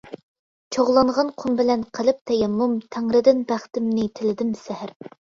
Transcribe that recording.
چوغلانغان قۇم بىلەن قىلىپ تەيەممۇم، تەڭرىدىن بەختىمنى تىلىدىم سەھەر.